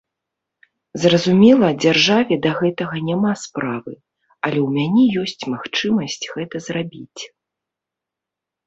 Зразумела, дзяржаве да гэтага няма справы, але ў мяне ёсць магчымасць гэта зрабіць.